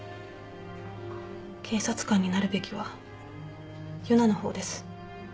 警察官になるべきは佑奈の方です。